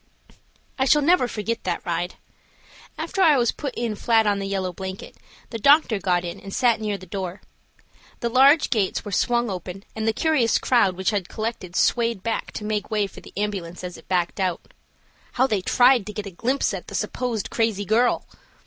I shall never forget that ride. After I was put in flat on the yellow blanket, the doctor got in and sat near the door. The large gates were swung open, and the curious crowd which had collected swayed back to make way for the ambulance as it backed out. How they tried to get a glimpse at the supposed crazy girl!